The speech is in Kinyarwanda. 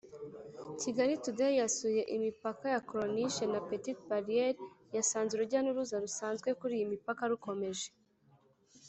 Kigali Today yasuye imipaka ya Croniche na Petite Barriere yasanze urujya n’uruza rusanzwe kuri iyi mipaka rukomeje